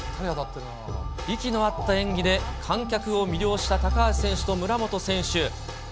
息の合った演技で観客を魅了した高橋選手と村元選手。